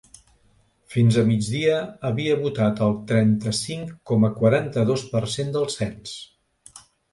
Fins a migdia havia votat el trenta-cinc coma quaranta-dos per cent del cens.